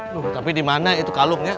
tuh tapi di mana itu kalungnya